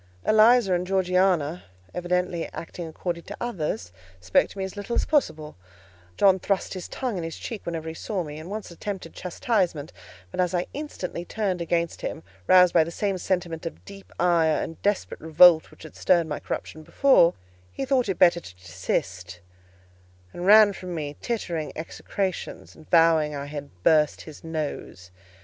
Eliza and Georgiana, evidently acting according to orders, spoke to me as little as possible: John thrust his tongue in his cheek whenever he saw me, and once attempted chastisement; but as I instantly turned against him, roused by the same sentiment of deep ire and desperate revolt which had stirred my corruption before, he thought it better to desist, and ran from me uttering execrations, and vowing I had burst his nose.